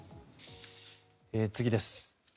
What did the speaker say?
次です。